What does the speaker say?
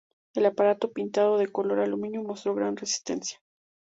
El aparato, pintado de color aluminio, mostró gran resistencia.